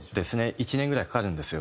１年ぐらいかかるんですよ。